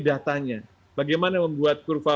datanya bagaimana membuat kurva